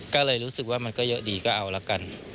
ก็เลยรู้สึกว่ามันก็เยอะดีก็เอาละกัน